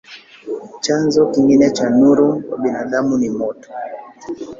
Chanzo kingine cha nuru kwa binadamu ni moto.